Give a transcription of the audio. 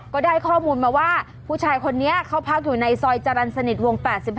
ก็ได้ข้อมูลมาว่าผู้ชายคนนี้เขาพักอยู่ในซอยจรรย์สนิทวง๘๖